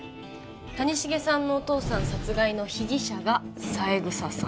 谷繁さんのお父さん殺害の被疑者が三枝さん